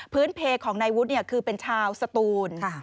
พื้นเพลงของนายวุฒิเนี่ยคือเป็นชาวสตูน